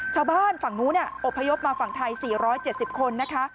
ชาวบ้านฝั่งนู้นอบพยพมาฝั่งไทย๔๗๐คนนะคะ